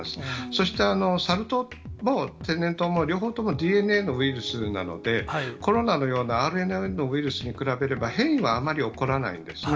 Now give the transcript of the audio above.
そしてサル痘も天然痘も両方ともＤＮＡのウイルスなので、コロナのようなＲＮＡのウイルスと比べれば変異はあまり起こらないんですね。